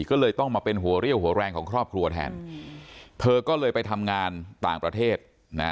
ก็เลยต้องมาเป็นหัวเรี่ยวหัวแรงของครอบครัวแทนเธอก็เลยไปทำงานต่างประเทศนะ